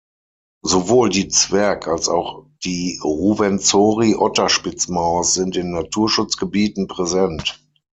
Sowohl die Zwerg- als auch die Ruwenzori-Otterspitzmaus sind in Naturschutzgebieten präsent.